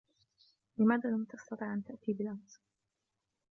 لماذا لم تسطيع أن تأتي بالأمس؟